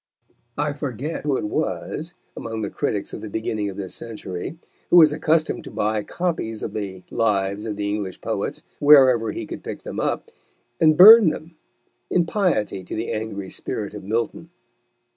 I forget who it was, among the critics of the beginning of this century, who was accustomed to buy copies of the Lives of the English Poets wherever he could pick them up, and burn them, in piety to the angry spirit of Milton.